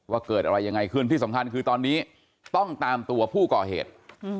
เกิดอะไรยังไงขึ้นที่สำคัญคือตอนนี้ต้องตามตัวผู้ก่อเหตุ